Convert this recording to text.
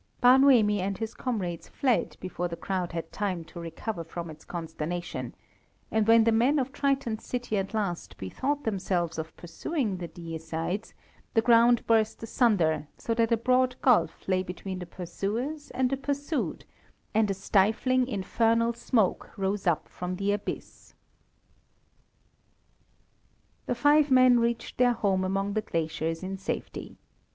Bar Noemi and his comrades fled before the crowd had time to recover from its consternation; and when the men of Triton's city at last bethought themselves of pursuing the deicides, the ground burst asunder, so that a broad gulf lay between the pursuers and the pursued, and a stifling, infernal smoke rose up from the abyss. The five men reached their home among the glaciers in safety.